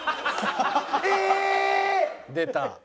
出た。